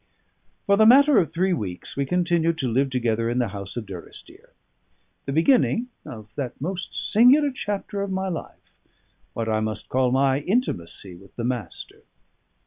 For the matter of three weeks we continued to live together in the house of Durrisdeer: the beginning of that most singular chapter of my life what I must call my intimacy with the Master.